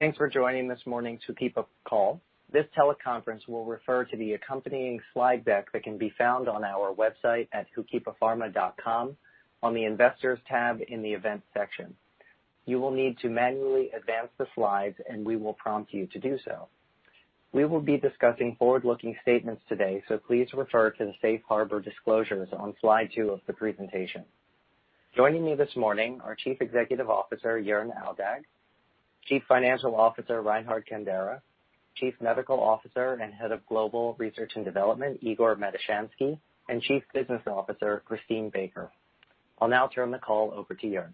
Thanks for joining this morning's HOOKIPA call. This teleconference will refer to the accompanying slide deck that can be found on our website at hookipapharma.com on the Investors tab in the Events section. You will need to manually advance the slides, and we will prompt you to do so. We will be discussing forward-looking statements today, so please refer to the safe harbor disclosures on slide two of the presentation. Joining me this morning are Chief Executive Officer, Jörn Aldag, Chief Financial Officer, Reinhard Kandera, Chief Medical Officer and Head of Global Research and Development, Igor Matushansky, and Chief Business Officer, Christine Baker. I'll now turn the call over to Jörn.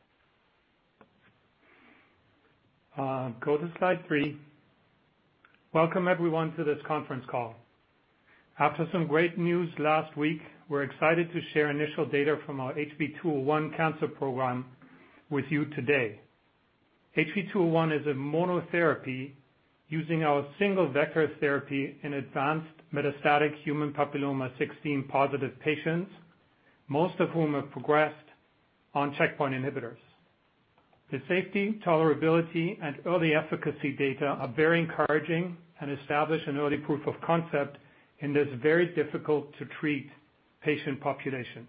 Go to slide three. Welcome everyone to this conference call. After some great news last week, we're excited to share initial data from our HB-201 cancer program with you today. HB-201 is a monotherapy using our single vector therapy in advanced metastatic HPV16+ patients, most of whom have progressed on checkpoint inhibitors. The safety, tolerability, and early efficacy data are very encouraging and establish an early proof of concept in this very difficult to treat patient population.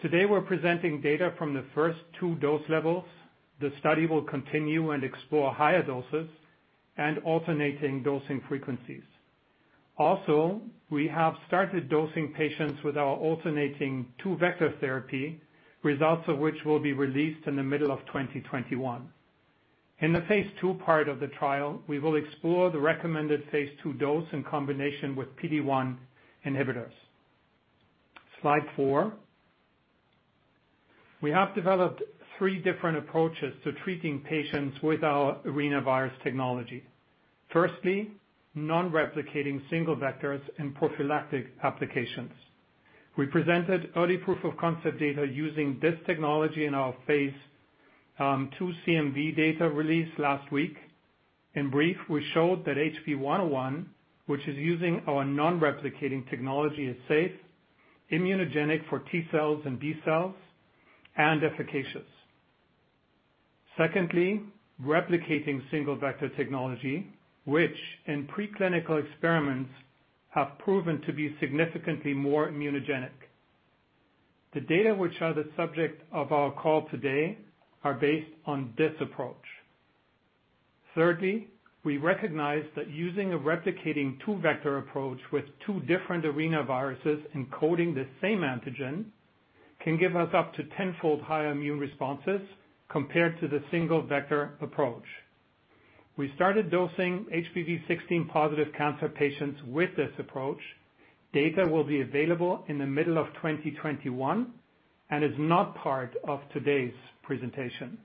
Today, we're presenting data from the first two dose levels. The study will continue and explore higher doses and alternating dosing frequencies. Also, we have started dosing patients with our alternating two-vector therapy, results of which will be released in the middle of 2021. In the phase II part of the trial, we will explore the recommended phase II dose in combination with PD-1 inhibitors. Slide four. We have developed three different approaches to treating patients with our arenavirus technology. Firstly, non-replicating single vectors in prophylactic applications. We presented early proof of concept data using this technology in our phase II CMV data release last week. In brief, we showed that HB-101, which is using our non-replicating technology, is safe, immunogenic for T cells and B cells, and efficacious. Secondly, replicating single vector technology, which in preclinical experiments have proven to be significantly more immunogenic. The data which are the subject of our call today are based on this approach. Thirdly, we recognize that using a replicating two-vector approach with two different arenaviruses encoding the same antigen can give us up to 10-fold higher immune responses compared to the single vector approach. We started dosing HPV16+ cancer patients with this approach. Data will be available in the middle of 2021 and is not part of today's presentation.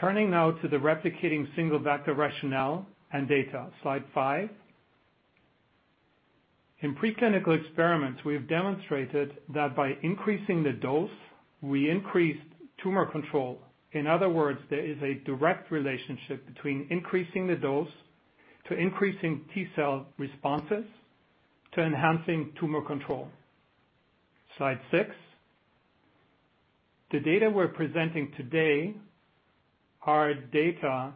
Turning now to the replicating single vector rationale and data. Slide five. In preclinical experiments, we have demonstrated that by increasing the dose, we increased tumor control. In other words, there is a direct relationship between increasing the dose to increasing T cell responses to enhancing tumor control. Slide six. The data we're presenting today are data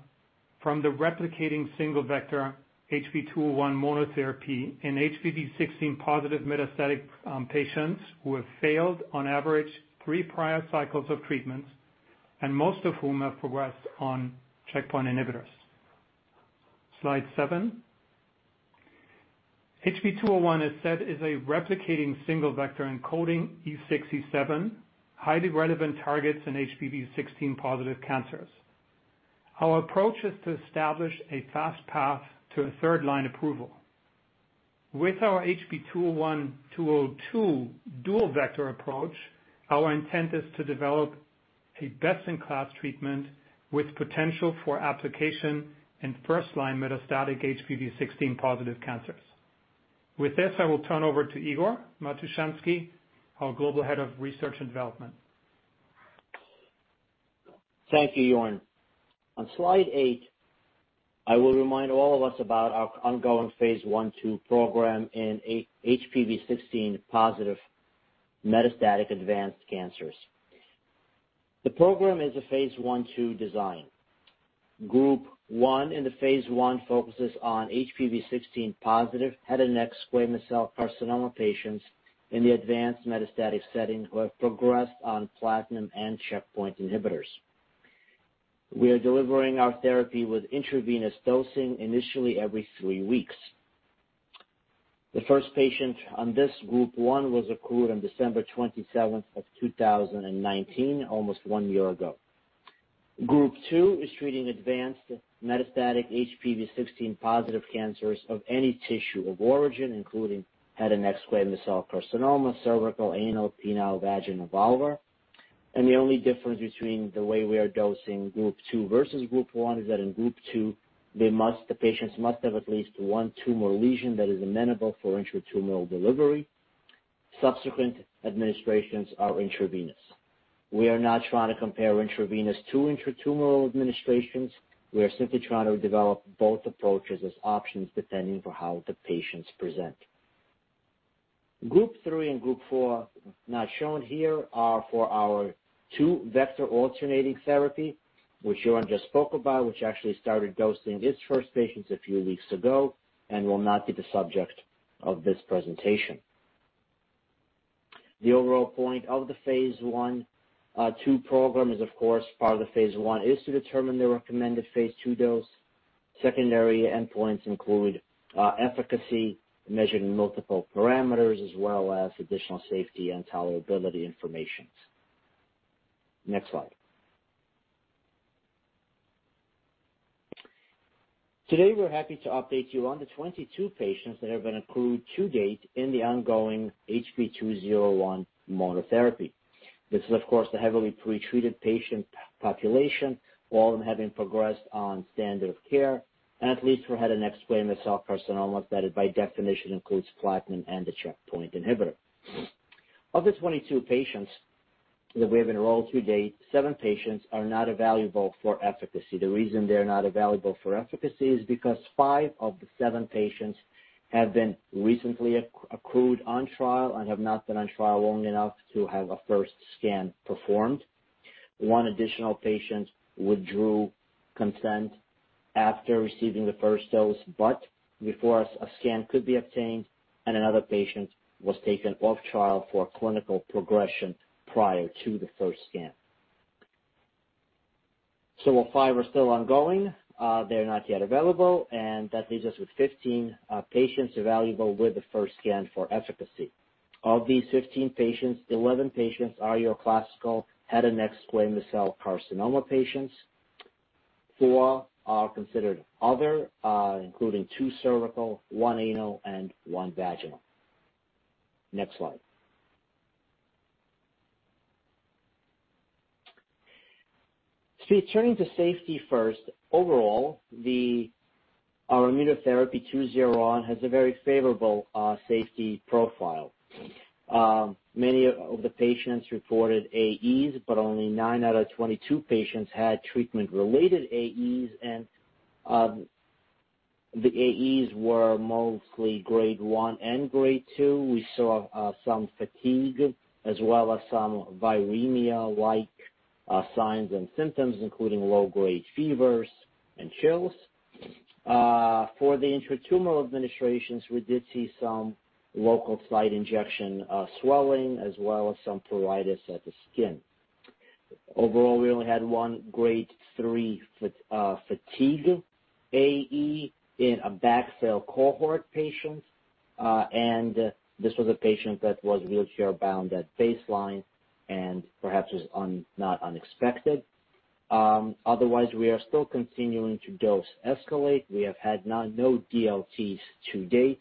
from the replicating single vector HB-201 monotherapy in HPV16+ metastatic patients who have failed on average three prior cycles of treatment, and most of whom have progressed on checkpoint inhibitors. Slide seven. HB-201 as said is a replicating single vector encoding E6, E7, highly relevant targets in HPV16+ cancers. Our approach is to establish a fast path to a third line approval. With our HB-201/HB-202 dual vector approach, our intent is to develop a best-in-class treatment with potential for application in first line metastatic HPV16+ cancers. With this, I will turn over to Igor Matushansky, our Global Head of Research and Development. Thank you, Jörn. On slide eight, I will remind all of us about our ongoing phase I, II program in HPV16+ metastatic advanced cancers. The program is a phase I, II design. Group one in the phase I focuses on HPV16+ head and neck squamous cell carcinoma patients in the advanced metastatic setting who have progressed on platinum and checkpoint inhibitors. We are delivering our therapy with intravenous dosing initially every three weeks. The first patient on this group one was accrued on December 27th of 2019, almost one year ago. Group two is treating advanced metastatic HPV16+ cancers of any tissue of origin, including head and neck squamous cell carcinoma, cervical, anal, penile, vaginal, vulvar. The only difference between the way we are dosing group two versus group one is that in group two, the patients must have at least one tumor lesion that is amenable for intratumoral delivery. Subsequent administrations are intravenous. We are not trying to compare intravenous to intratumoral administrations. We are simply trying to develop both approaches as options depending for how the patients present. Group three and group four, not shown here, are for our two-vector alternating therapy, which Jörn just spoke about, which actually started dosing its first patients a few weeks ago and will not be the subject of this presentation. The overall point of the phase I/II program is, of course, part of the phase I is to determine the recommended phase II dose. Secondary endpoints include efficacy measured in multiple parameters as well as additional safety and tolerability information's. Next slide. Today, we're happy to update you on the 22 patients that have been accrued to date in the ongoing HB-201 monotherapy. This is, of course, the heavily pre-treated patient population, all of them having progressed on standard of care and at least who had an head and neck squamous cell carcinoma that by definition includes platinum and a checkpoint inhibitor. Of the 22 patients that we have enrolled to date, seven patients are not evaluable for efficacy. The reason they're not evaluable for efficacy is because five of the seven patients have been recently accrued on trial and have not been on trial long enough to have a first scan performed. One additional patient withdrew consent after receiving the first dose, but before a scan could be obtained, and another patient was taken off trial for clinical progression prior to the first scan. While five are still ongoing, they're not yet available, and that leaves us with 15 patients evaluable with the first scan for efficacy. Of these 15 patients, 11 patients are your classical head and neck squamous cell carcinoma patients. Four are considered other, including two cervical, one anal, and one vaginal. Next slide. Turning to safety first, overall, our immunotherapy HB-201 has a very favorable safety profile. Many of the patients reported AEs, but only nine out of 22 patients had treatment-related AEs, and the AEs were mostly grade one and grade two. We saw some fatigue as well as some viremia-like signs and symptoms, including low-grade fevers and chills. For the intratumoral administrations, we did see some local site injection swelling as well as some pruritus at the skin. Overall, we only had one grade three fatigue AE in a VasCell cohort patient. This was a patient that was wheelchair-bound at baseline and perhaps was not unexpected. Otherwise, we are still continuing to dose escalate. We have had no DLTs to date.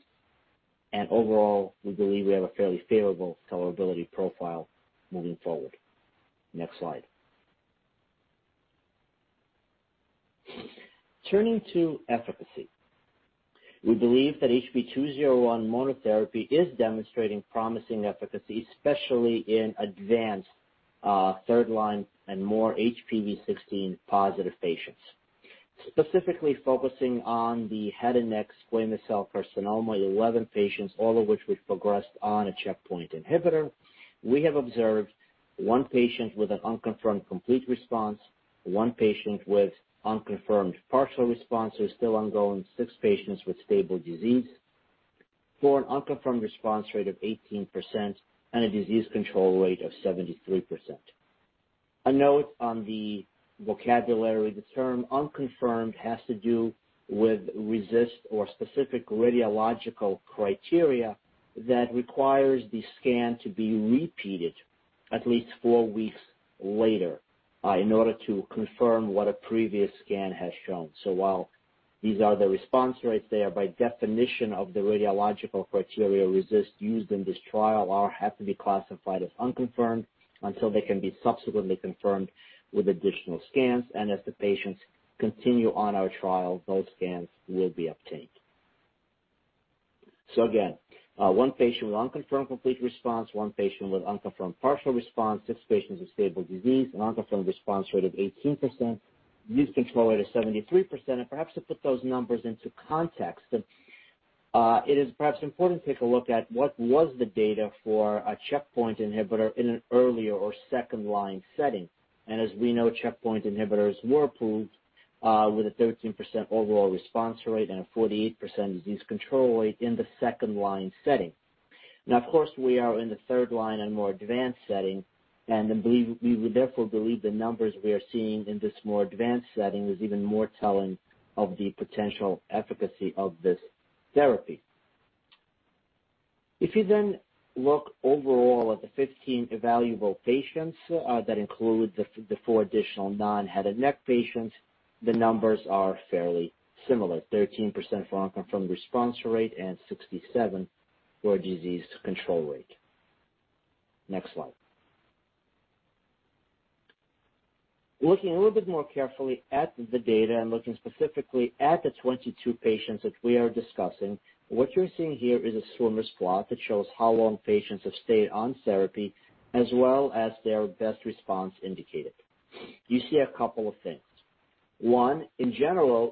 Overall, we believe we have a fairly favorable tolerability profile moving forward. Next slide. Turning to efficacy, we believe that HB-201 monotherapy is demonstrating promising efficacy, especially in advanced third line and more HPV16+ patients. Specifically focusing on the head and neck squamous cell carcinoma, the 11 patients, all of which we've progressed on a checkpoint inhibitor, we have observed one patient with an unconfirmed complete response, one patient with unconfirmed partial response who is still ongoing, six patients with stable disease, for an unconfirmed response rate of 18% and a disease control rate of 73%. A note on the vocabulary, the term unconfirmed has to do with RECIST or specific radiological criteria that requires the scan to be repeated at least four weeks later in order to confirm what a previous scan has shown. While these are the response rates, they are by definition of the radiological criteria RECIST used in this trial are have to be classified as unconfirmed until they can be subsequently confirmed with additional scans. As the patients continue on our trial, those scans will be obtained. Again, one patient with unconfirmed complete response, one patient with unconfirmed partial response, six patients with stable disease, an unconfirmed response rate of 18%, disease control rate of 73%. Perhaps to put those numbers into context, it is perhaps important to take a look at what was the data for a checkpoint inhibitor in an earlier or second-line setting. As we know, checkpoint inhibitors were approved with a 13% overall response rate and a 48% disease control rate in the second line setting. Of course, we are in the third line and more advanced setting, and we would therefore believe the numbers we are seeing in this more advanced setting is even more telling of the potential efficacy of this therapy. If you then look overall at the 15 evaluable patients, that include the four additional non-head and neck patients, the numbers are fairly similar, 13% for unconfirmed response rate and 67% for disease control rate. Next slide. Looking a little bit more carefully at the data and looking specifically at the 22 patients that we are discussing, what you're seeing here is a swimmer's plot that shows how long patients have stayed on therapy as well as their best response indicated. You see a couple of things. The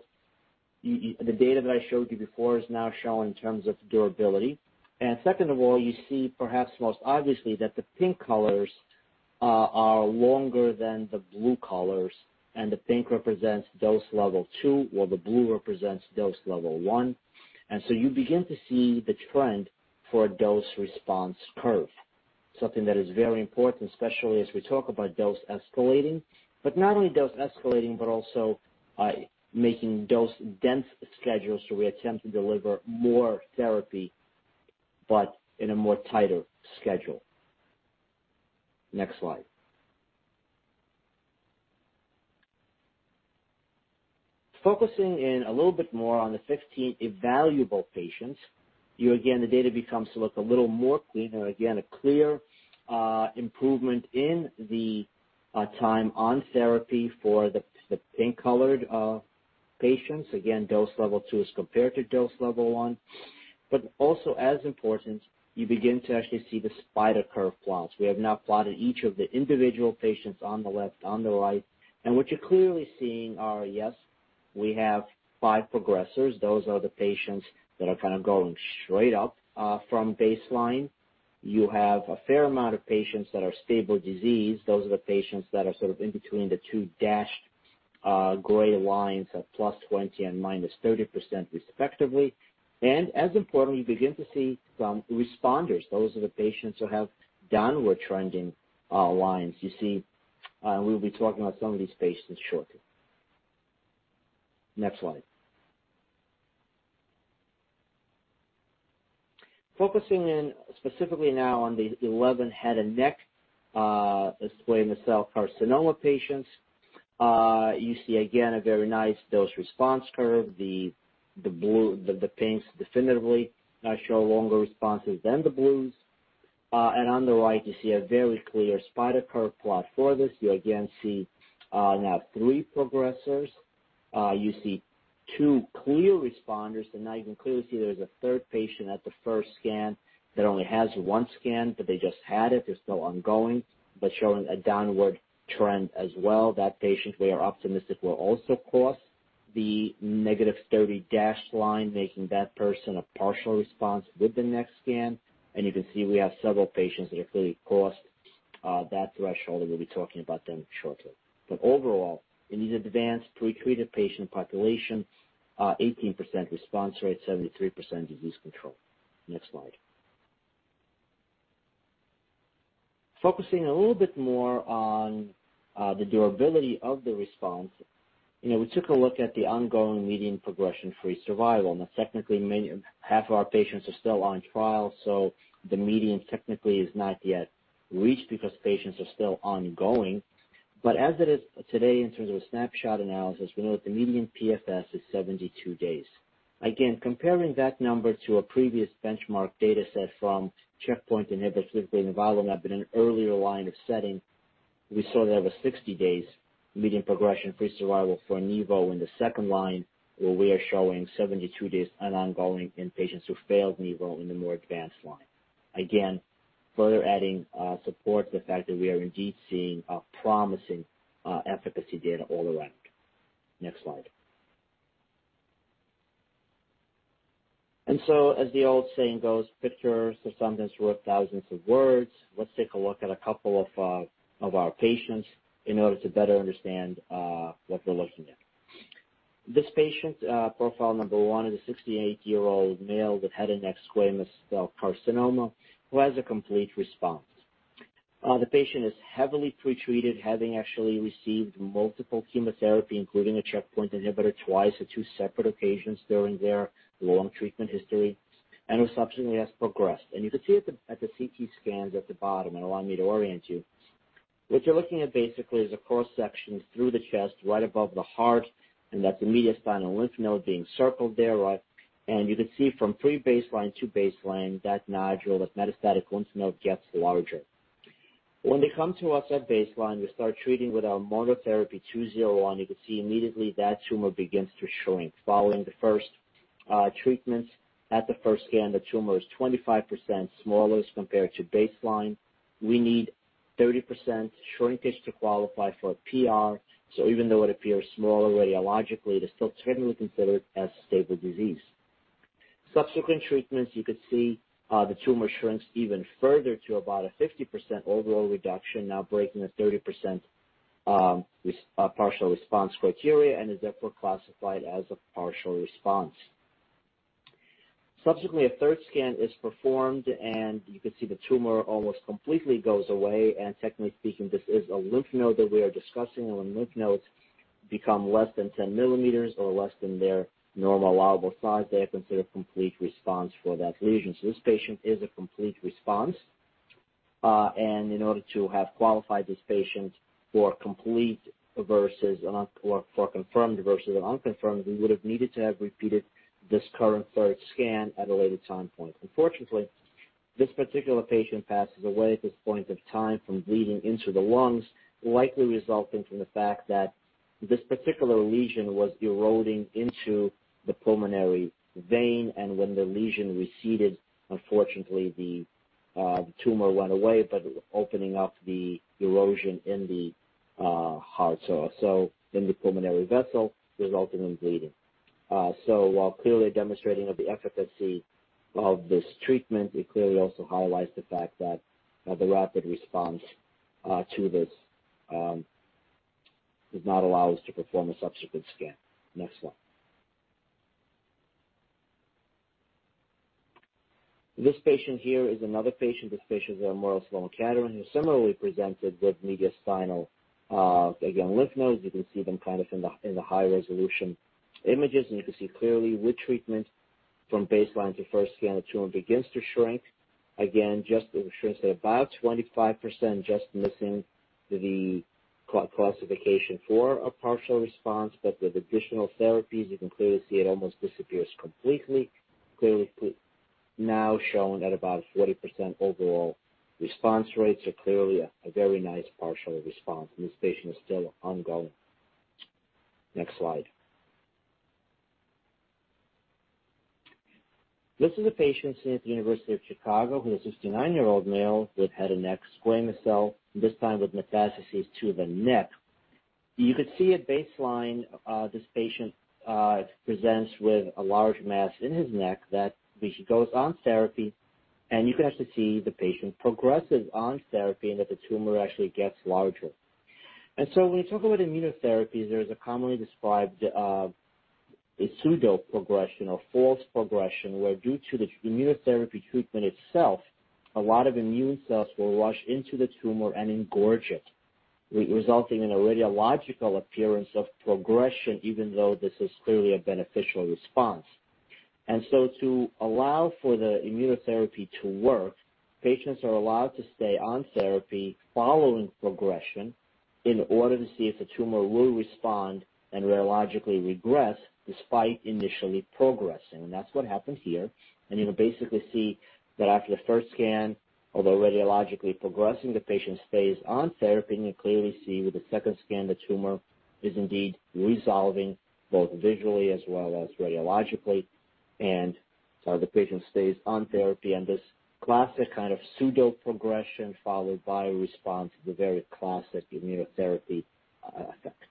data that I showed you before is now shown in terms of durability. Second of all, you see perhaps most obviously that the pink colors are longer than the blue colors, and the pink represents dose level two, while the blue represents dose level one. You begin to see the trend for a dose response curve, something that is very important, especially as we talk about dose escalating. Not only dose escalating, but also making dose-dense schedules, so we attempt to deliver more therapy but in a more tighter schedule. Next slide. Focusing in a little bit more on the 15 evaluable patients. Again, the data becomes to look a little more cleaner. Again, a clear improvement in the time on therapy for the pink colored patients. Again, dose level two as compared to dose level one. Also as important, you begin to actually see the spider curve plots. We have now plotted each of the individual patients on the left, on the right, and what you're clearly seeing are, yes, we have five progressors. Those are the patients that are kind of going straight up from baseline. You have a fair amount of patients that are stable disease. Those are the patients that are sort of in between the two dashed gray lines at +20% and -30%, respectively. As important, we begin to see some responders. Those are the patients who have downward trending lines. You see, we'll be talking about some of these patients shortly. Next slide. Focusing in specifically now on the 11 head and neck squamous cell carcinoma patients. You see again, a very nice dose response curve. The pinks definitively now show longer responses than the blues. On the right, you see a very clear spider curve plot for this. You again see now three progressors. You see two clear responders. Now you can clearly see there's a third patient at the first scan that only has one scan, but they just had it. They're still ongoing, showing a downward trend as well. That patient, we are optimistic, will also cross the -30% dashed line, making that person a partial response with the next scan. You can see we have several patients that have clearly crossed that threshold, and we'll be talking about them shortly. Overall, in these advanced, pre-treated patient populations, 18% response rate, 73% disease control. Next slide. Focusing a little bit more on the durability of the response. We took a look at the ongoing median progression-free survival. Technically, half of our patients are still on trial, so the median technically is not yet reached because patients are still ongoing. As it is today, in terms of a snapshot analysis, we know that the median PFS is 72 days. Again, comparing that number to a previous benchmark data set from checkpoint inhibitors, nivolumab, in an earlier line of setting, we saw there was 60 days median progression-free survival for nivo in the second line, where we are showing 72 days and ongoing in patients who failed nivo in the more advanced line. Again, further adding support to the fact that we are indeed seeing promising efficacy data all around. Next slide. As the old saying goes, pictures are sometimes worth thousands of words. Let's take a look at a couple of our patients in order to better understand what we're looking at. This patient, profile number one, is a 68-year-old male with head and neck squamous cell carcinoma who has a complete response. The patient is heavily pre-treated, having actually received multiple chemotherapy, including a checkpoint inhibitor, twice on two separate occasions during their long treatment history, and who subsequently has progressed. You can see at the CT scans at the bottom, and allow me to orient you. What you're looking at basically is a cross-section through the chest right above the heart, and that's a mediastinal lymph node being circled there. You can see from pre-baseline to baseline, that nodule, that metastatic lymph node, gets larger. When they come to us at baseline, we start treating with our monotherapy HB-201. You can see immediately that tumor begins to shrink. Following the first treatments at the first scan, the tumor is 25% smaller as compared to baseline. We need 30% shrinkage to qualify for PR. Even though it appears smaller radiologically, it is still technically considered as stable disease. Subsequent treatments, you can see the tumor shrinks even further to about a 50% overall reduction, now breaking the 30% partial response criteria and is therefore classified as a partial response. Subsequently, a third scan is performed, you can see the tumor almost completely goes away, and technically speaking, this is a lymph node that we are discussing. When lymph nodes become less than 10 mm or less than their normal allowable size, they are considered complete response for that lesion. This patient is a complete response. In order to have qualified this patient for confirmed versus an unconfirmed, we would have needed to have repeated this current third scan at a later time point. Unfortunately, this particular patient passes away at this point of time from bleeding into the lungs, likely resulting from the fact that this particular lesion was eroding into the pulmonary vein. When the lesion receded, unfortunately the tumor went away, but opening up the erosion in the heart. In the pulmonary vessel resulting in bleeding. While clearly demonstrating the efficacy of this treatment, it clearly also highlights the fact that the rapid response to this did not allow us to perform a subsequent scan. Next slide. This patient here is another patient with facial follicular lymphoma, who similarly presented with mediastinal, again, lymph nodes. You can see them in the high-resolution images, and you can see clearly with treatment from baseline to first scan, the tumor begins to shrink. Again, it shrinks at about 25%, just missing the classification for a partial response. With additional therapies, you can clearly see it almost disappears completely. Clearly now showing at about 40% overall response rates are clearly a very nice partial response, and this patient is still ongoing. Next slide. This is a patient seen at the University of Chicago who is a 69-year-old male with head and neck squamous cell, this time with metastases to the neck. You could see at baseline, this patient presents with a large mass in his neck that he goes on therapy, and you can actually see the patient progresses on therapy and that the tumor actually gets larger. When you talk about immunotherapies, there's a commonly described pseudo progression or false progression, where due to the immunotherapy treatment itself, a lot of immune cells will rush into the tumor and engorge it, resulting in a radiological appearance of progression, even though this is clearly a beneficial response. To allow for the immunotherapy to work, patients are allowed to stay on therapy following progression in order to see if the tumor will respond and radiologically regress despite initially progressing. That's what happened here. You'll basically see that after the first scan, although radiologically progressing, the patient stays on therapy, and you clearly see with the second scan the tumor is indeed resolving both visually as well as radiologically. The patient stays on therapy, and this classic kind of pseudo progression followed by response is a very classic immunotherapy effect.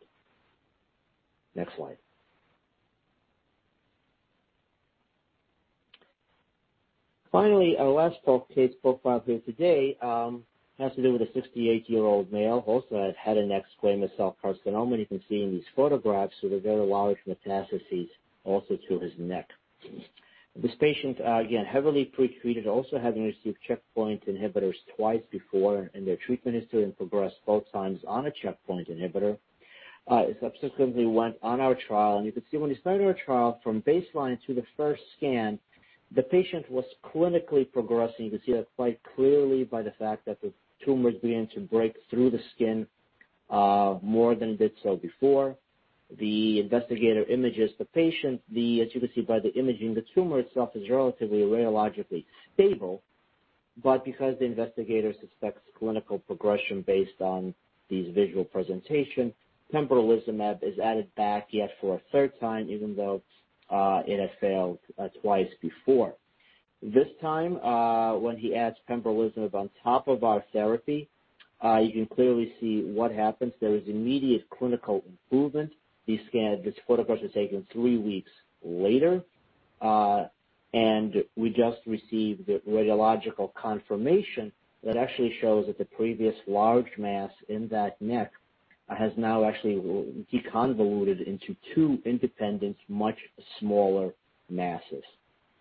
Next slide. Our last case profile here today has to do with a 68-year-old male who also had head and neck squamous cell carcinoma. You can see in these photographs, there are very large metastases also to his neck. This patient, again, heavily pretreated, also having received checkpoint inhibitors twice before, their treatment history had progressed both times on a checkpoint inhibitor, subsequently went on our trial. You can see when he started our trial from baseline to the first scan, the patient was clinically progressing. You can see that quite clearly by the fact that the tumor began to break through the skin more than it did so before. The investigator images the patient. As you can see by the imaging, the tumor itself is relatively radiologically stable. Because the investigator suspects clinical progression based on this visual presentation, pembrolizumab is added back yet for a third time, even though it has failed twice before. This time, when he adds pembrolizumab on top of our therapy, you can clearly see what happens. There is immediate clinical improvement. This photograph was taken three weeks later, and we just received the radiological confirmation that actually shows that the previous large mass in that neck has now actually deconvoluted into two independent, much smaller masses.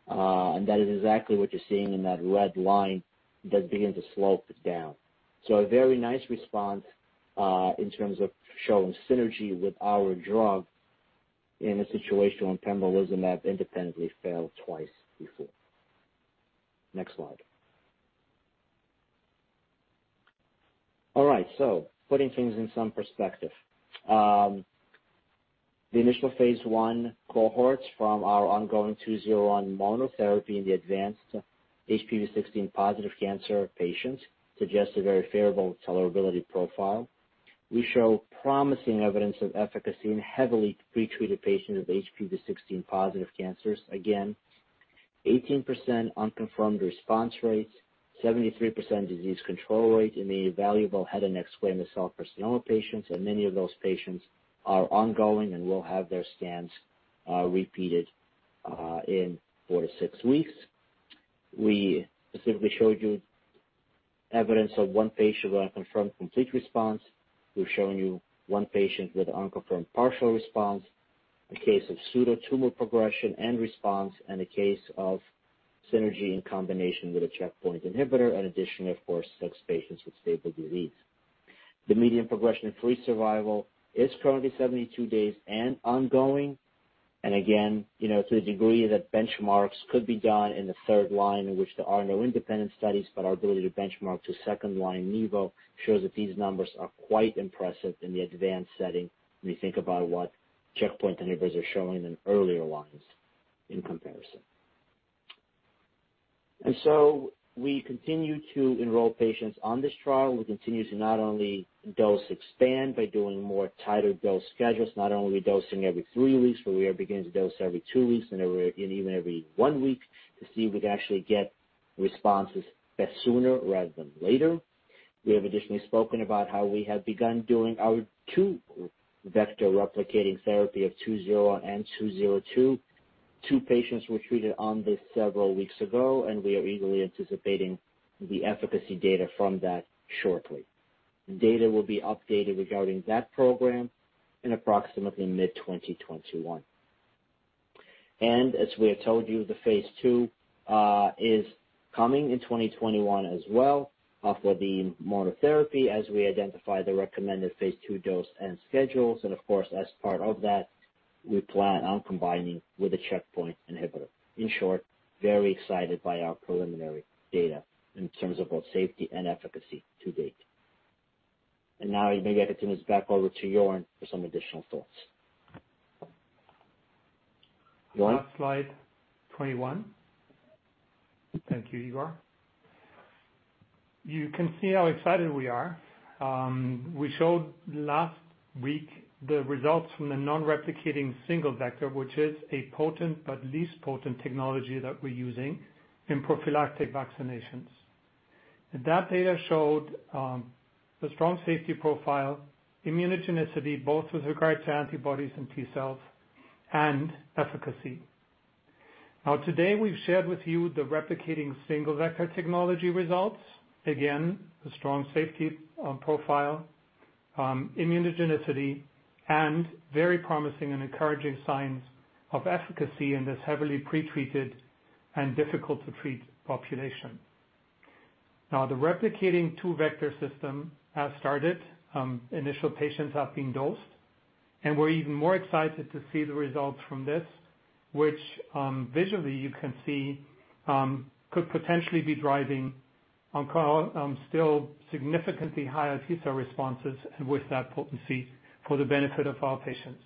That is exactly what you're seeing in that red line that begins to slope down. A very nice response in terms of showing synergy with our drug in a situation where pembrolizumab independently failed twice before. Next slide. All right, so putting things in some perspective. The initial phase I cohorts from our ongoing HB-201 monotherapy in the advanced HPV16+ cancer patients suggest a very favorable tolerability profile. We show promising evidence of efficacy in heavily pretreated patients with HPV16+ cancers. Again, 18% unconfirmed response rates, 73% disease control rates in the valuable head and neck squamous cell carcinoma patients. Many of those patients are ongoing and will have their scans repeated in four to six weeks. We specifically showed you evidence of one patient with unconfirmed complete response. We've shown you one patient with unconfirmed partial response, a case of pseudo progression and response, and a case of synergy in combination with a checkpoint inhibitor. In addition, of course, six patients with stable disease. The median progression-free survival is currently 72 days and ongoing. To the degree that benchmarks could be done in the third line, in which there are no independent studies, but our ability to benchmark to second-line nivo shows that these numbers are quite impressive in the advanced setting when you think about what checkpoint inhibitors are showing in earlier lines in comparison. We continue to enroll patients on this trial. We continue to not only dose expand by doing more tighter dose schedules, not only dosing every three weeks, but we are beginning to dose every two weeks and even every one week to see if we can actually get responses sooner rather than later. We have additionally spoken about how we have begun doing our two-vector replicating therapy of HB-201 and HB-202. Two patients were treated on this several weeks ago, and we are eagerly anticipating the efficacy data from that shortly. Data will be updated regarding that program in approximately mid-2021. As we have told you, the phase II is coming in 2021 as well for the monotherapy as we identify the recommended phase II dose and schedules. Of course, as part of that, we plan on combining with a checkpoint inhibitor. In short, very excited by our preliminary data in terms of both safety and efficacy to date. Now I may hand this back over to Jörn for some additional thoughts. Jörn? Last slide, 21. Thank you, Igor. You can see how excited we are. We showed last week the results from the non-replicating single vector, which is a potent but least potent technology that we are using in prophylactic vaccinations. That data showed a strong safety profile, immunogenicity, both with regard to antibodies and T cells, and efficacy. Today, we have shared with you the replicating single vector technology results. Again, a strong safety profile, immunogenicity, and very promising and encouraging signs of efficacy in this heavily pre-treated and difficult to treat population. The replicating two-vector system has started. Initial patients have been dosed, and we are even more excited to see the results from this, which visually you can see could potentially be driving still significantly higher T cell responses and with that potency for the benefit of our patients.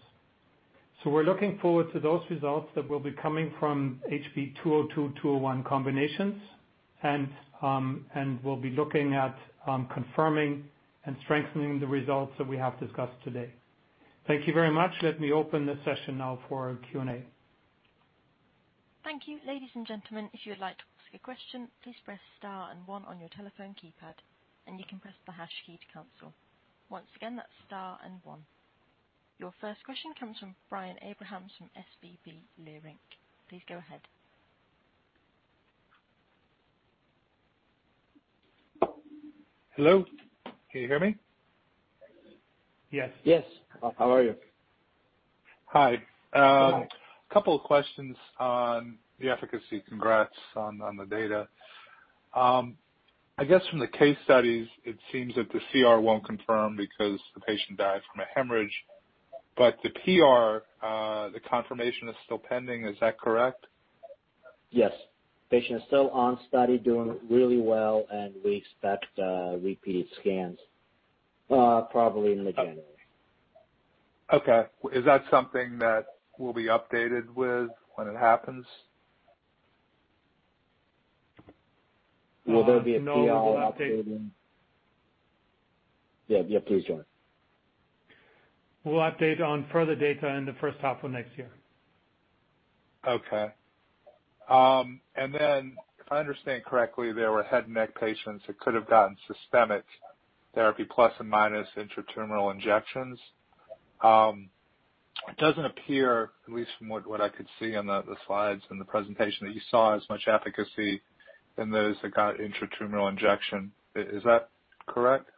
We're looking forward to those results that will be coming from HB-202, HB-201 combinations. We'll be looking at confirming and strengthening the results that we have discussed today. Thank you very much. Let me open the session now for Q&A. Thank you. Your first question comes from Brian Abrahams from SVB Leerink. Please go ahead. Hello, can you hear me? Yes. Yes. How are you? Hi. A couple of questions on the efficacy. Congrats on the data. I guess from the case studies, it seems that the CR won't confirm because the patient died from a hemorrhage. The PR, the confirmation is still pending, is that correct? Yes. Patient is still on study, doing really well, and we expect repeated scans probably in mid-January. Okay. Is that something that we'll be updated with when it happens? Will there be a PR update? No, we'll update- Yeah. Please, Jörn. We'll update on further data in the first half of next year. Okay. If I understand correctly, there were head and neck patients that could have gotten systemic therapy plus or minus intratumoral injections. It doesn't appear, at least from what I could see on the slides and the presentation, that you saw as much efficacy than those that got intratumoral injection. Is that correct?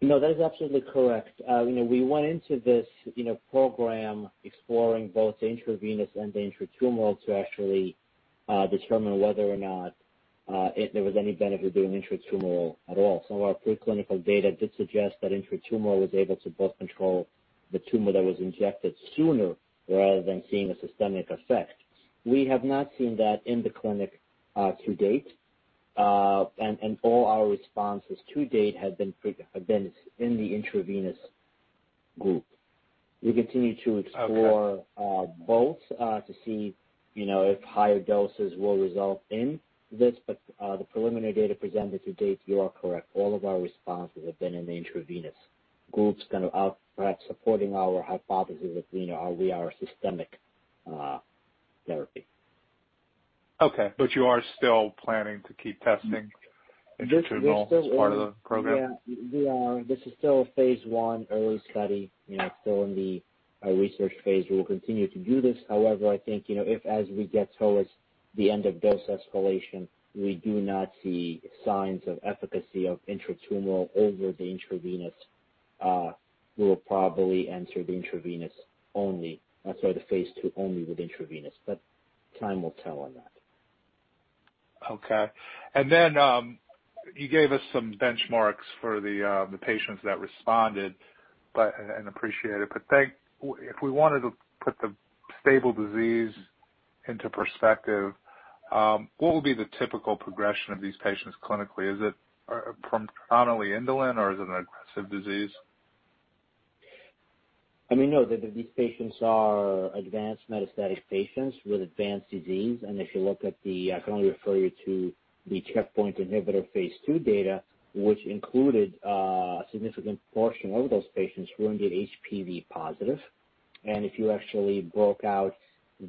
No, that is absolutely correct. We went into this program exploring both intravenous and the intratumoral to actually determine whether or not there was any benefit doing intratumoral at all. Some of our preclinical data did suggest that intratumoral was able to both control the tumor that was injected sooner rather than seeing a systemic effect. We have not seen that in the clinic to date. All our responses to date have been in the intravenous group. We continue to explore. Okay both to see if higher doses will result in this. The preliminary data presented to date, you are correct, all of our responses have been in the intravenous groups, perhaps supporting our hypothesis that we are a systemic therapy. Okay. You are still planning to keep testing intratumoral as part of the program? Yeah, we are. This is still a phase I early study, still in the research phase. We will continue to do this. I think, if as we get towards the end of dose escalation, we do not see signs of efficacy of intratumoral over the intravenous, we will probably enter the intravenous only. Sorry, the phase II only with intravenous. Time will tell on that. Okay. You gave us some benchmarks for the patients that responded, and appreciate it. If we wanted to put the stable disease into perspective, what would be the typical progression of these patients clinically? Is it chronically indolent, or is it an aggressive disease? These patients are advanced metastatic patients with advanced disease. If you look at the, I can only refer you to the checkpoint inhibitor phase II data, which included a significant portion of those patients who were indeed HPV positive. If you actually broke out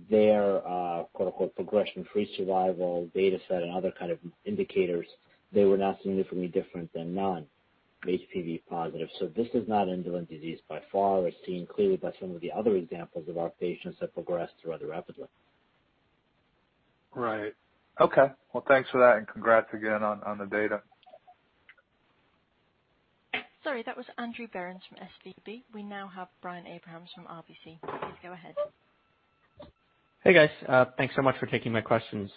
their progression-free survival data set and other indicators, they were not significantly different than non-HPV positive. This is not an indolent disease by far. It is seen clearly by some of the other examples of our patients that progress rather rapidly. Right. Okay. Well, thanks for that, and congrats again on the data. Sorry, that was Andrew Barrons from SVB. We now have Brian Abrahams from RBC. Please go ahead. Hey, guys. Thanks so much for taking my questions.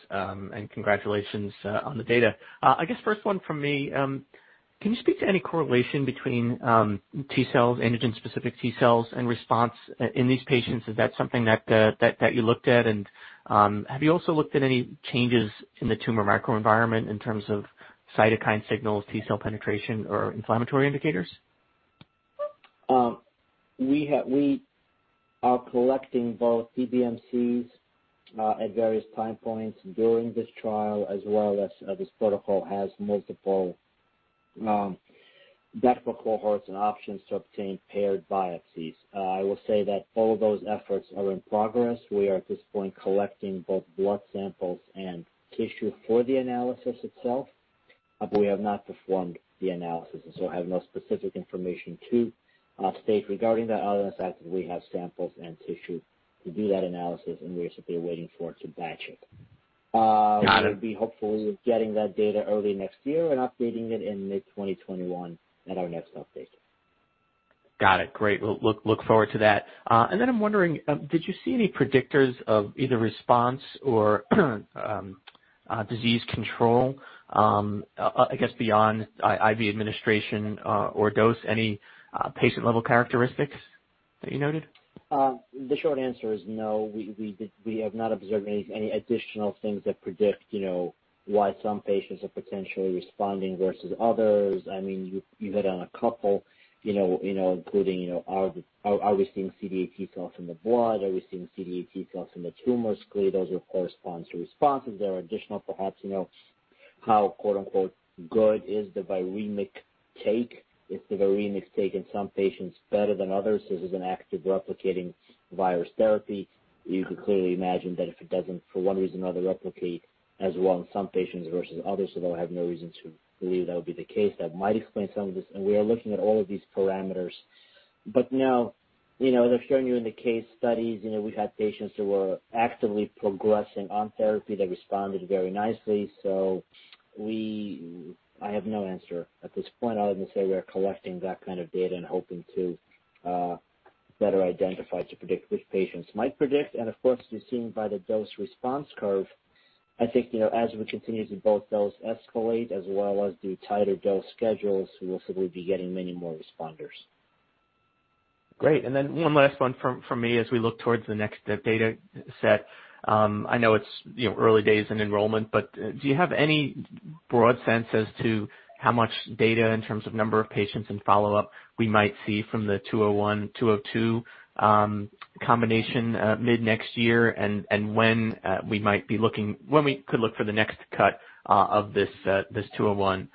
Congratulations on the data. I guess first one from me, can you speak to any correlation between T cells, antigen-specific T cells, and response in these patients? Is that something that you looked at? Have you also looked at any changes in the tumor microenvironment in terms of cytokine signals, T cell penetration, or inflammatory indicators? We are collecting both PBMCs at various time points during this trial as well as this protocol has multiple de-escalation cohorts and options to obtain paired biopsies. I will say that all of those efforts are in progress. We are, at this point, collecting both blood samples and tissue for the analysis itself, but we have not performed the analysis, and so I have no specific information to state regarding that. Other than the fact that we have samples and tissue to do that analysis, and we are simply waiting for it to batch it. Got it. We'll be hopefully getting that data early next year and updating it in mid-2021 at our next update. Got it. Great. We'll look forward to that. I'm wondering, did you see any predictors of either response or disease control, I guess, beyond IV administration or dose, any patient-level characteristics that you noted? The short answer is no. We have not observed any additional things that predict why some patients are potentially responding versus others. You hit on a couple, including are we seeing CD8 T cells in the blood? Are we seeing CD8 T cells in the tumor screen? Those, of course, respond to responses. There are additional, perhaps, how "good" is the viremic take? Is the viremic take in some patients better than others? This is an active replicating virus therapy. You could clearly imagine that if it doesn't, for one reason or other, replicate as well in some patients versus others, although I have no reason to believe that would be the case. That might explain some of this, and we are looking at all of these parameters. No, as I've shown you in the case studies, we've had patients who were actively progressing on therapy that responded very nicely. I have no answer at this point, other than to say we are collecting that kind of data and hoping to better identify to predict which patients might predict. Of course, as seen by the dose response curve, I think, as we continue to both dose escalate as well as do tighter dose schedules, we will simply be getting many more responders. Great, then one last one from me. As we look towards the next data set, I know it's early days in enrollment, but do you have any broad sense as to how much data in terms of number of patients and follow-up we might see from the HB-201/HB-202 combination mid-next year? When we could look for the next cut of this HB-201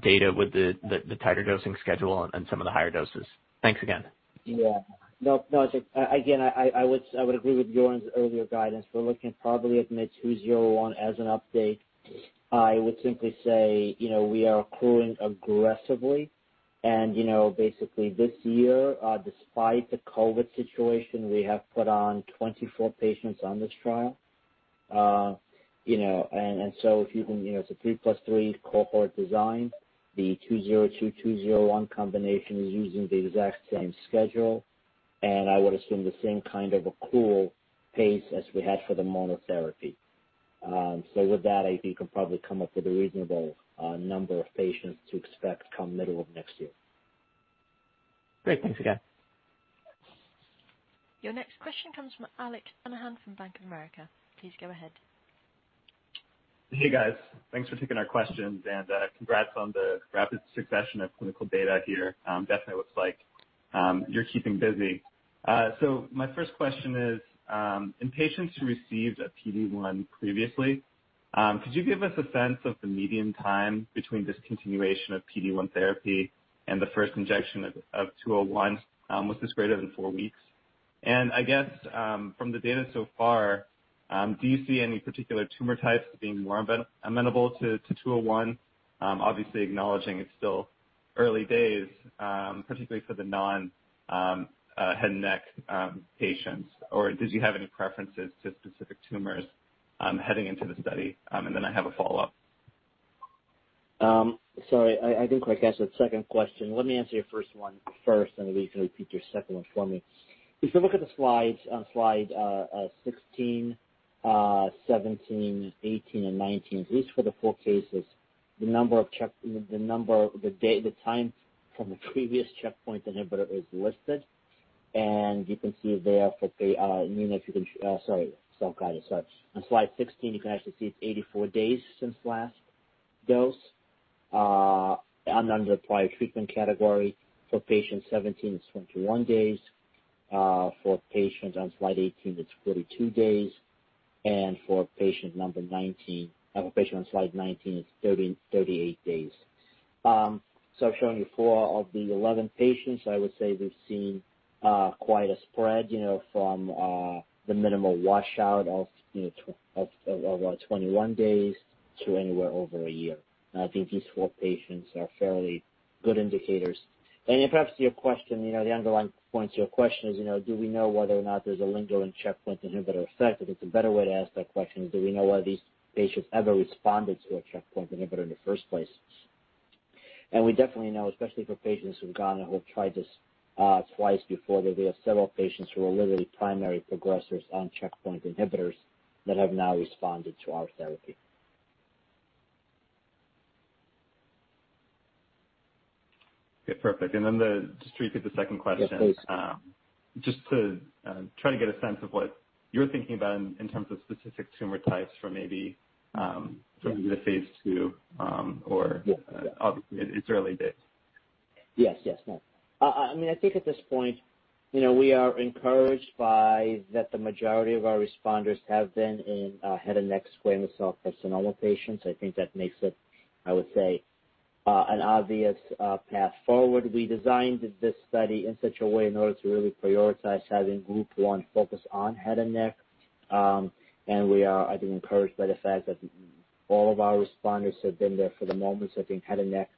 data with the tighter dosing schedule and some of the higher doses. Thanks again. Yeah. No, it's okay. Again, I would agree with Jörn's earlier guidance. We're looking probably at mid-HB-201 as an update. I would simply say, we are accruing aggressively and basically this year, despite the COVID situation, we have put on 24 patients on this trial. It's a 3+3 cohort design. The HB-202/HB-201 combination is using the exact same schedule, and I would assume the same kind of accrual pace as we had for the monotherapy. With that, I think we'll probably come up with a reasonable number of patients to expect come middle of next year. Great. Thanks again. Your next question comes from Alex Hanahan from Bank of America. Please go ahead. Hey, guys. Thanks for taking our questions and congrats on the rapid succession of clinical data here. Definitely looks like you're keeping busy. My first question is, in patients who received a PD-1 previously, could you give us a sense of the median time between discontinuation of PD-1 therapy and the first injection of HB-201? Was this greater than four weeks? I guess, from the data so far, do you see any particular tumor types as being more amenable to HB-201? Obviously acknowledging it's still early days, particularly for the non-head and neck patients, or did you have any preferences to specific tumors heading into the study? Then I have a follow-up. Sorry, I didn't quite catch that second question. Let me answer your first one first, and then you can repeat your second one for me. If you look at the slides on slide 16, 17, 18, and 19, at least for the four cases, the time from the previous checkpoint inhibitor is listed. On slide 16, you can actually see it's 84 days since last dose. Under the prior treatment category for patient 17, it's 21 days. For patient on slide 18, it's 42 days. For patient number 19, I have a patient on slide 19, it's 38 days. I've shown you four of the 11 patients. I would say we've seen quite a spread, from the minimal washout of around 21 days to anywhere over a year. I think these four patients are fairly good indicators. Perhaps to your question, the underlying point to your question is, do we know whether or not there's a lingering checkpoint inhibitor effect? If it's a better way to ask that question, do we know why these patients ever responded to a checkpoint inhibitor in the first place? We definitely know, especially for patients who've gone and who have tried this twice before, that we have several patients who are literally primary progressors on checkpoint inhibitors that have now responded to our therapy. Okay, perfect. just to repeat the second question. Yes, please. Just to try to get a sense of what you're thinking about in terms of specific tumor types for maybe? The phase II- Yeah.... obviously it's early days. Yes. No. I think at this point, we are encouraged by that the majority of our responders have been in head and neck squamous cell carcinoma patients. I think that makes it, I would say, an obvious path forward. We designed this study in such a way in order to really prioritize having group one focus on head and neck. We are, I think, encouraged by the fact that all of our responders have been there for the moment. I think head and neck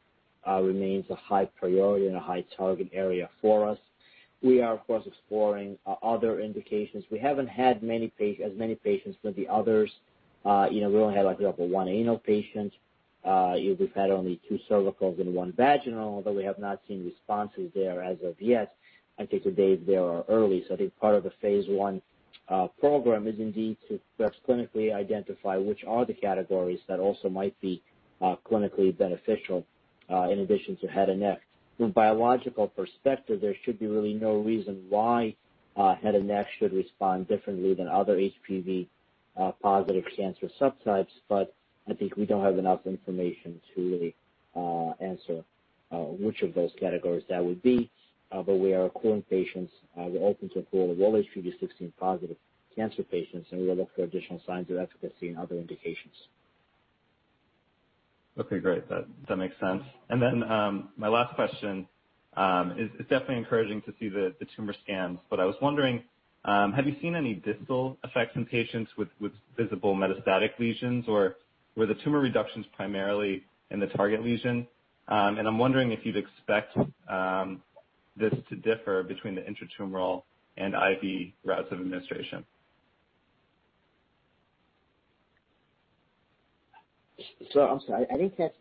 remains a high priority and a high target area for us. We are, of course, exploring other indications. We haven't had as many patients with the others. We only had, I think, one anal patient. We've had only two cervicals and one vaginal, although we have not seen responses there as of yet. I think to date they are early, so I think part of the phase I program is indeed to first clinically identify which are the categories that also might be clinically beneficial, in addition to head and neck. From a biological perspective, there should be really no reason why head and neck should respond differently than other HPV-positive cancer subtypes, but I think we don't have enough information to really answer which of those categories that would be. We are accruing patients. We're open to accrue all HPV16+ cancer patients, and we will look for additional signs of efficacy in other indications. Okay, great. That makes sense. My last question. It's definitely encouraging to see the tumor scans, but I was wondering, have you seen any distal effects in patients with visible metastatic lesions, or were the tumor reductions primarily in the target lesion? I'm wondering if you'd expect this to differ between the intratumoral and IV routes of administration. I'm sorry, I didn't catch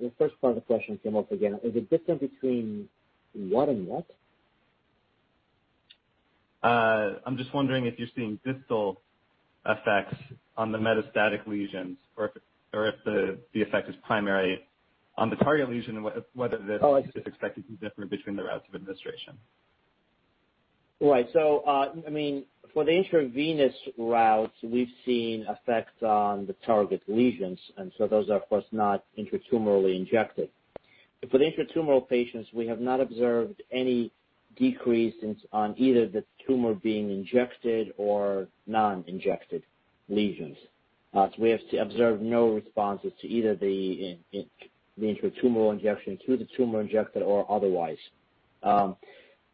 the first part of the question. Come up again. Is it difference between what and what? I'm just wondering if you're seeing distal effects on the metastatic lesions, or if the effect is primary on the target lesion? Oh, I see. This is expected to differ between the routes of administration. Right. For the intravenous routes, we've seen effects on the target lesions, and so those are, of course, not intratumorally injected. For the intratumoral patients, we have not observed any decrease on either the tumor being injected or non-injected lesions. We have observed no responses to either the intratumoral injection to the tumor injected or otherwise.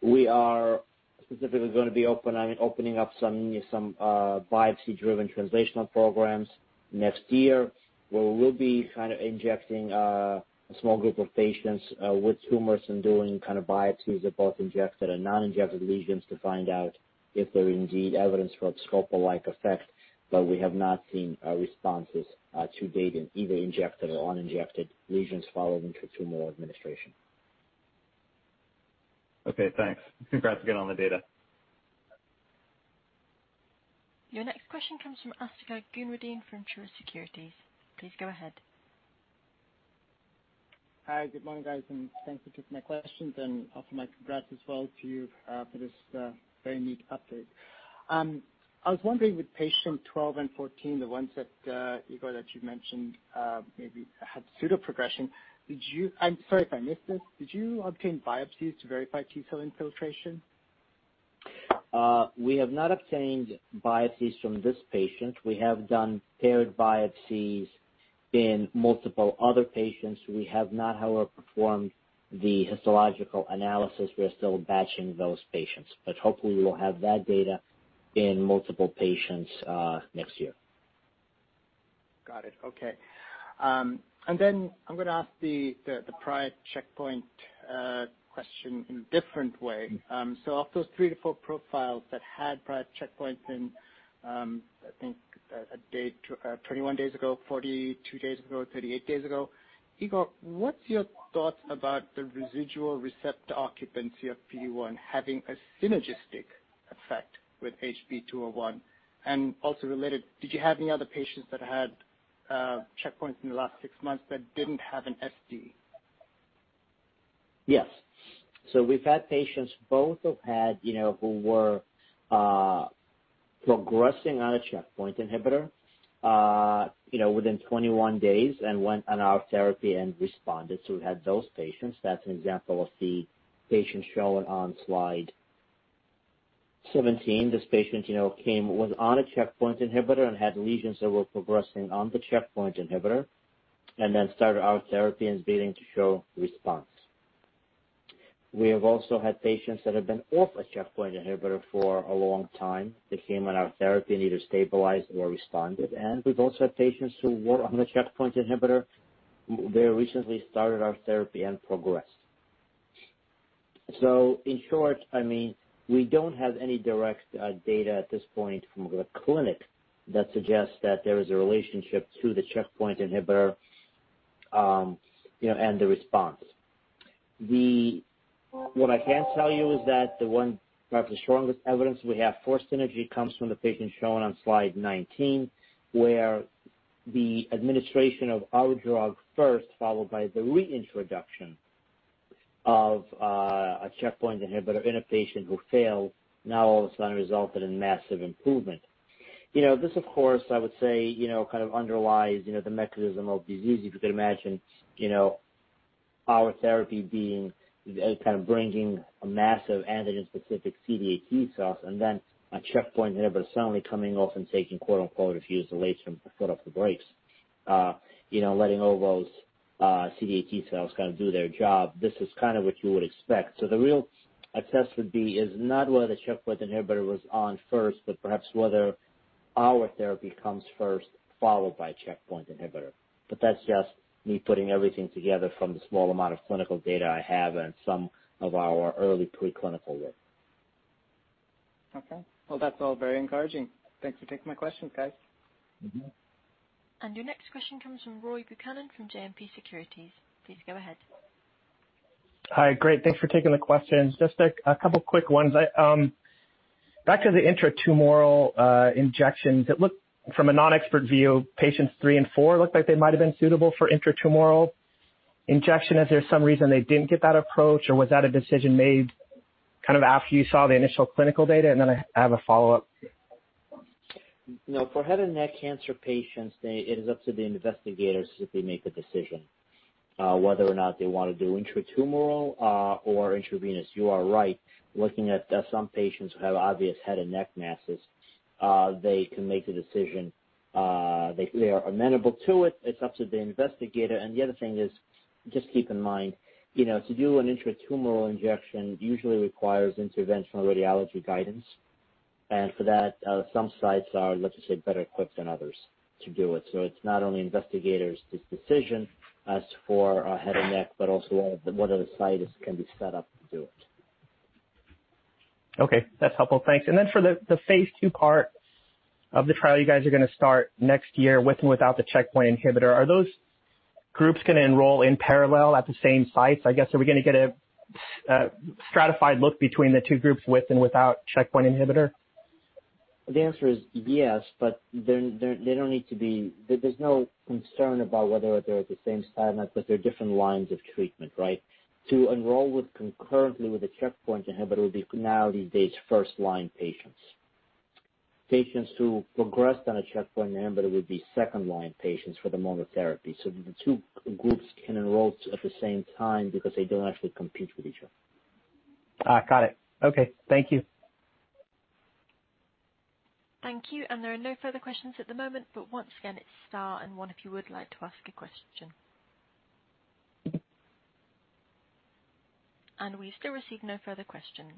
We are specifically going to be opening up some biopsy-driven translational programs next year, where we'll be injecting a small group of patients with tumors and doing biopsies of both injected and non-injected lesions to find out if there is indeed evidence for a abscopal-like effect. We have not seen responses to date in either injected or uninjected lesions following intratumoral administration. Okay, thanks. Congrats again on the data. Your next question comes from Asthika Goonewardene from Truist Securities. Please go ahead. Hi. Good morning, guys, and thanks for taking my questions and offer my congrats as well to you, for this very neat update. I was wondering with patient 12 and 14, the ones that, Igor, that you mentioned maybe had pseudo progression. I'm sorry if I missed this. Did you obtain biopsies to verify T-cell infiltration? We have not obtained biopsies from this patient. We have done paired biopsies in multiple other patients. We have not, however, performed the histological analysis. We are still batching those patients. Hopefully, we will have that data in multiple patients next year. Got it. Okay. I'm going to ask the prior checkpoint question in a different way. Of those three to four profiles that had prior checkpoints in, I think, 21 days ago, 42 days ago, 38 days ago, Igor, what's your thoughts about the residual receptor occupancy of PD-1 having a synergistic effect with HB-201? Also related, did you have any other patients that had checkpoints in the last six months that didn't have an SD? Yes. We've had patients both who were progressing on a checkpoint inhibitor within 21 days and went on our therapy and responded. We had those patients. That's an example of the patient shown on slide 17. This patient was on a checkpoint inhibitor and had lesions that were progressing on the checkpoint inhibitor, and then started our therapy and is beginning to show response. We have also had patients that have been off a checkpoint inhibitor for a long time. They came on our therapy, and either stabilized or responded. We've also had patients who were on the checkpoint inhibitor, they recently started our therapy and progressed. In short, we don't have any direct data at this point from the clinic that suggests that there is a relationship to the checkpoint inhibitor and the response. What I can tell you is that the one, perhaps the strongest evidence we have, for synergy, comes from the patient shown on slide 19, where the administration of our drug first, followed by the reintroduction of a checkpoint inhibitor in a patient who failed, now all of a sudden resulted in massive improvement. This, of course, I would say, underlies the mechanism of disease. If you can imagine our therapy bringing massive antigen specific CD8 T-cells and then a checkpoint inhibitor suddenly coming off and taking quote unquote, a fuse, the lace, and the foot off the brakes, letting all those CD8 T-cells do their job. This is what you would expect. The real test would be is not whether the checkpoint inhibitor was on first, but perhaps whether our therapy comes first, followed by a checkpoint inhibitor. That's just me putting everything together from the small amount of clinical data I have and some of our early preclinical work. Okay. That's all very encouraging. Thanks for taking my questions, guys. Your next question comes from Roy Buchanan from JMP Securities. Please go ahead. Hi. Great, thanks for taking the questions. Just a couple quick ones. Back to the intratumoral injections. It looked, from a non-expert view, patients three and four looked like they might've been suitable for intratumoral injection. Is there some reason they didn't get that approach, or was that a decision made after you saw the initial clinical data? I have a follow-up. No. For head and neck cancer patients, it is up to the investigators to simply make the decision whether or not they want to do intratumoral or intravenous. You are right. Looking at some patients who have obvious head and neck masses, they can make a decision. They are amenable to it. It's up to the investigator, the other thing is, just keep in mind, to do an intratumoral injection usually requires interventional radiology guidance. For that, some sites are, let's just say, better equipped than others to do it. It's not only investigators decision as for head and neck, but also whether the site can be set up to do it. Okay. That's helpful. Thanks. For the phase II part of the trial you guys are going to start next year with and without the checkpoint inhibitor. Are those groups going to enroll in parallel at the same sites? I guess, are we going to get a stratified look between the two groups with and without checkpoint inhibitor? The answer is yes, but there's no concern about whether they're at the same site, but they're different lines of treatment, right? To enroll concurrently with a checkpoint inhibitor would be now these days, first-line patients. Patients who progressed on a checkpoint inhibitor would be second-line patients for the monotherapy. The two groups can enroll at the same time because they don't actually compete with each other. Got it. Okay. Thank you. Thank you. There are no further questions at the moment, but once again, it's star and one if you would like to ask a question. We still receive no further questions.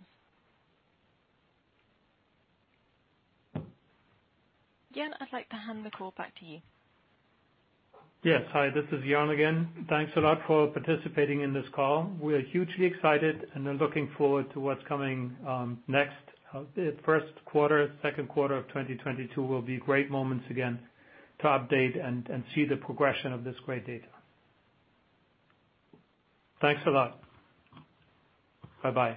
Jörn, I'd like to hand the call back to you. Yes. Hi, this is Jörn again. Thanks a lot for participating in this call. We're hugely excited and are looking forward to what's coming next. The first quarter, second quarter of 2022 will be great moments again to update and see the progression of this great data. Thanks a lot. Bye-bye.